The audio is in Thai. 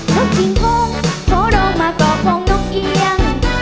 ลูกหญิงโบ้งพอลองมากรอกโบ้งลูกเอียง